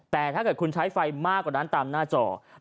แต่ถ้าเกิดคุณใช้ไฟมากกว่านั้นตามหน้าจอ